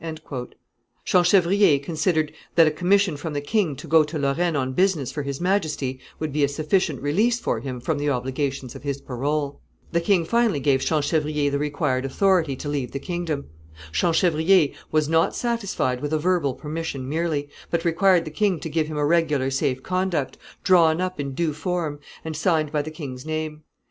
Champchevrier considered that a commission from the king to go to Lorraine on business for his majesty would be a sufficient release for him from the obligations of his parole. [Sidenote: Champchevrier's expedition.] The king finally gave Champchevrier the required authority to leave the kingdom. Champchevrier was not satisfied with a verbal permission merely, but required the king to give him a regular safe conduct, drawn up in due form, and signed by the king's name.